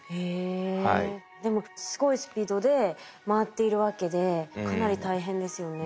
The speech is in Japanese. でもすごいスピードで回っているわけでかなり大変ですよね。